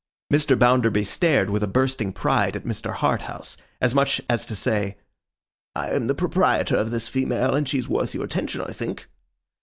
Mr. Bounderby stared with a bursting pride at Mr. Harthouse, as much as to say, 'I am the proprietor of this female, and she's worth your attention, I think.